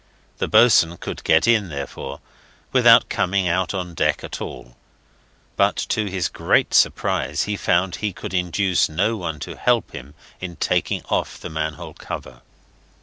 The boatswain could get in, therefore, without coming out on deck at all; but to his great surprise he found he could induce no one to help him in taking off the manhole cover.